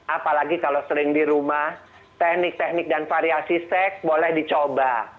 apalagi kalau sering di rumah teknik teknik dan variasi seks boleh dicoba